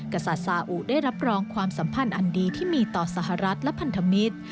กษัตริย์ซาอุได้รับรองความสัมพันธ์อันดีที่มีต่อสหรัฐและพันธมิตร